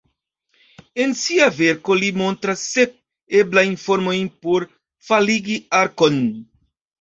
En sia verko li montras sep eblajn formojn por faligi arkon.